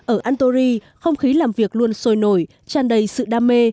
ở antori không khí làm việc luôn sôi nổi chan đầy sự đam mê